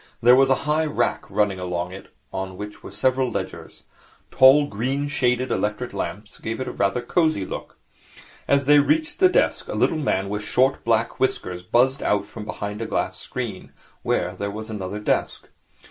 There was a high rack running along it, on which were several ledgers. Tall, green shaded electric lamps gave it rather a cosy look. As they reached the desk, a little man with short, black whiskers buzzed out from behind a glass screen, where there was another desk.